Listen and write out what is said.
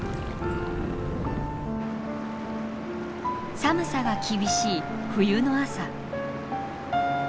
寒さが厳しい冬の朝。